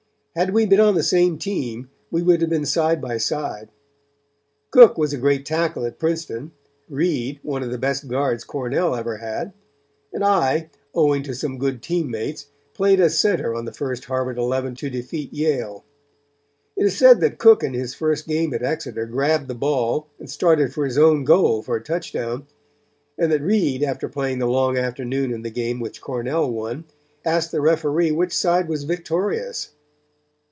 Had we been on the same team we would have been side by side. Cook was a great tackle at Princeton; Reed one of the best guards Cornell ever had; and I, owing to some good team mates, played as center on the first Harvard eleven to defeat Yale. It is said that Cook in his first game at Exeter grabbed the ball and started for his own goal for a touchdown, and that Reed after playing the long afternoon in the game which Cornell won, asked the Referee which side was victorious.